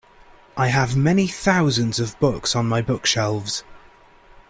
I have many thousands of books on my bookshelves.